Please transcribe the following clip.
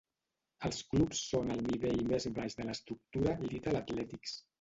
Els clubs són el nivell més baix de l'estructura Little Athletics.